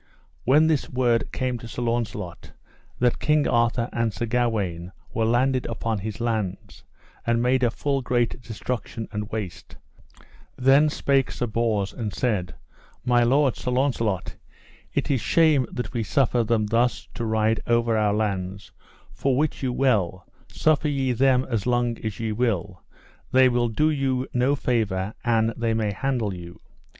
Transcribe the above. When this word came to Sir Launcelot, that King Arthur and Sir Gawaine were landed upon his lands, and made a full great destruction and waste, then spake Sir Bors, and said: My lord Sir Launcelot, it is shame that we suffer them thus to ride over our lands, for wit you well, suffer ye them as long as ye will, they will do you no favour an they may handle you.